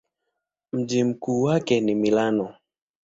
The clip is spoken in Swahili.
Mji mkuu wake ni Milano.